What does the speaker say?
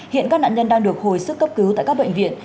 hiện các nạn nhân đang được hồi sức cấp cứu tại các bệnh viện